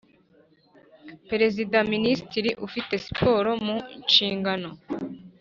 Perezida Minisitiri ufite Siporo mu nshingano